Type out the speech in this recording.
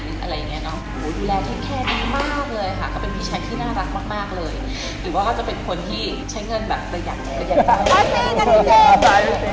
ดูแลถ้าแคมมีมากเลยมาเลยโอเคก็เป็นพี่ใช่ขี้น่ารักมากเลยอีกว่าก็จะเป็นคนที่ใช้เงินแบบจะอย่างแบบ